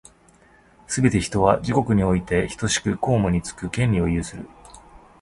すべて人は、自国においてひとしく公務につく権利を有する。